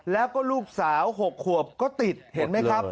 แล้วก็ลูกสาว๖ขวบก็ติดเห็นไหมครับ